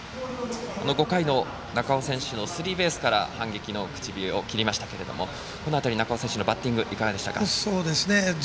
５回の中尾選手のスリーベースから反撃の口火を切りましたが中尾選手のバッティングいかがでしたか。